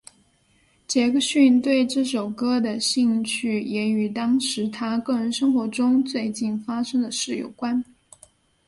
杰克逊对这首歌的兴趣也与当时他个人生活中最近发生的事有关。